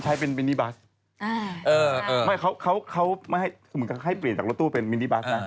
ใช้เป็นมินิบัสเขาให้เปลี่ยนจากรถตู้เป็นมินิบัสนะ